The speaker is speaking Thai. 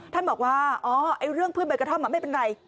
ท่านบอกว่าอ๋อเรื่องพืชใบกระท่อมไม่เป็นไร